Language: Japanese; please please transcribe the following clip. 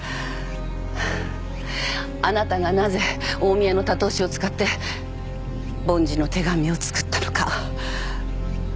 あなたがなぜ近江屋のたとう紙を使って梵字の手紙を作ったのか？